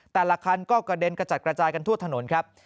แต่ละคันก็กระเด็นกระจัดกระจายกันทั่วถนนครับ